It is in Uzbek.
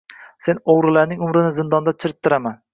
Sen o‘g‘rilarning umringni zindonda chirittiraman